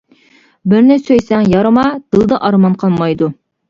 بىرنى سۆيسەڭ يارىما، دىلدا ئارمان قالمايدۇ.